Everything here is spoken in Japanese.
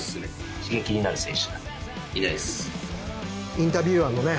インタビュアーのね